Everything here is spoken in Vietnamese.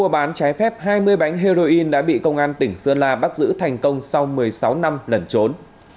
hai mươi bánh heroin đã bị công an tỉnh sơn la bắt giữ thành công sau một mươi sáu năm lẩn trốn